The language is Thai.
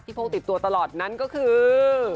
พกติดตัวตลอดนั้นก็คือ